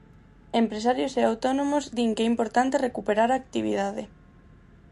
Empresarios e autónomos din que é importante recuperar a actividade.